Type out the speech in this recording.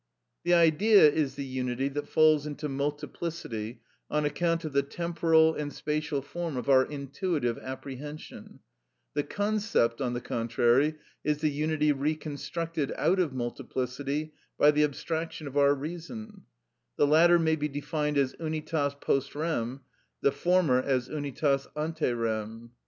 The Idea is the unity that falls into multiplicity on account of the temporal and spatial form of our intuitive apprehension; the concept, on the contrary, is the unity reconstructed out of multiplicity by the abstraction of our reason; the latter may be defined as unitas post rem, the former as unitas ante rem.